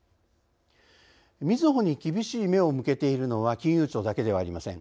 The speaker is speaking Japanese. みずほに厳しい目を向けているのは金融庁だけではありません。